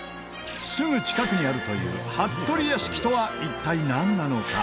すぐ近くにあるという服部屋敷とは一体なんなのか？